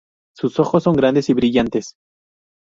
Sus ojos son grandes y brillantes.